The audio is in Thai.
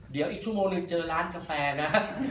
เดี๋ยวอีกชั่วโมงหนึ่งเจอร้านกาแฟนะ